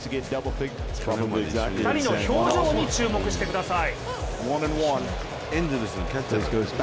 ２人の表情に注目してください。